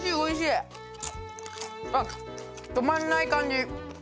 あっ止まんない感じ。